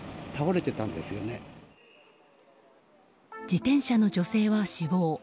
自転車の女性は死亡。